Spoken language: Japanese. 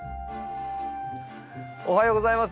おはようございます。